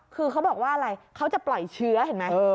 คือเขาบอกว่าอะไรเขาจะปล่อยเชื้อเห็นไหม